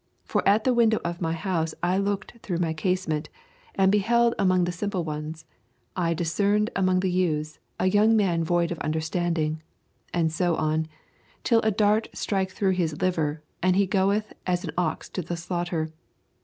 For at the window of my house I looked through my casement, and beheld among the simple ones, I discerned among the youths, a young man void of understanding; and so on, till a dart strike through his liver, and he goeth as an ox to the slaughter.